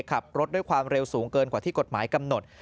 ขับรถด้วยความเร็วสูงเกินกว่าที่กฎหมายกำหนด